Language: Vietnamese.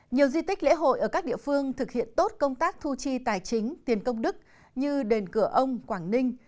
nhiều di tích lễ hội ở các địa phương thực hiện tốt công tác thu chi tài chính tiền công đức như đền cửa ông quảng ninh